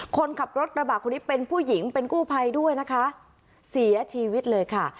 คนขับรถกระบะคนนี้เป็นผู้หญิงเป็นกู้ภัยด้วยนะคะเสียชีวิตเลยค่ะ